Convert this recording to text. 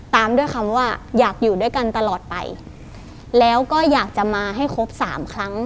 ตามด้วยคำว่าอยากอยู่ด้วยกันตลอดไปแล้วก็อยากจะมาให้ครบสามครั้ง